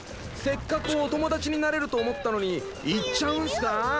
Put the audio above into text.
せっかくお友達になれると思ったのに行っちゃうんすかあ？